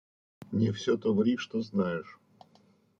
– Не все то ври, что знаешь.